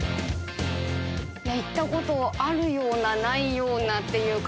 行ったことあるようなないようなっていう。